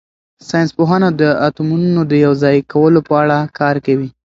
ساینس پوهان د اتومونو د یوځای کولو په اړه کار کوي.